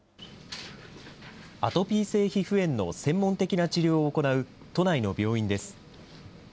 アトピー性皮膚炎の専門的な治療を行う都内の病院です。